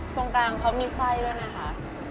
ตรงกลางเขามีไส้ด้วยนะคะ